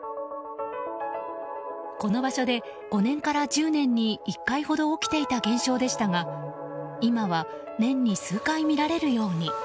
この場所で、５年から１０年に１回ほど起きていた現象でしたが今は年に数回見られるように。